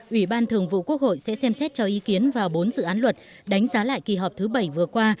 ubthq sẽ xem xét cho ý kiến vào bốn dự án luật đánh giá lại kỳ họp thứ bảy vừa qua